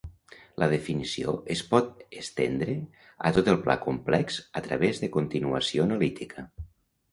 La definició es pot estendre a tot el pla complex a través continuació analítica.